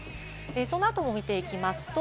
その後も見ていきます。